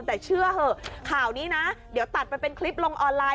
แต่เชื่อเถอะข่าวนี้นะเดี๋ยวตัดมันเป็นคลิปลงออนไลน